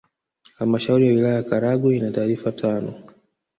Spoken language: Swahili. Halmashauri ya Wilaya ya Karagwe ina tarafa tano